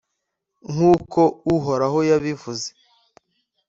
nk’uko Uhoraho yabivuze.